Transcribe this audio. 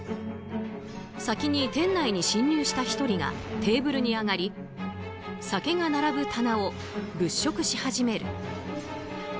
先に店内に侵入した１人がテーブルに上がり酒が並ぶ棚を物色し始める。